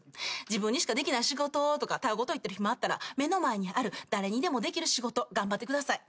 「自分にしかできない仕事を」とかたわ言を言ってる暇あったら目の前にある誰にでもできる仕事頑張ってください。